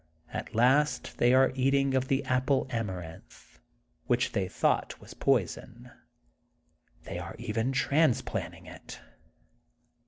At last they are eat ing of the Apple Amaranth, which they thought was poison. They are even trans planting it."